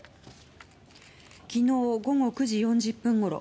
昨日午後９時４０分ごろ